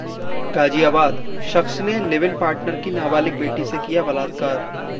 गाजियाबाद: शख्स ने live in partner की नाबालिग बेटी से किया बलात्कार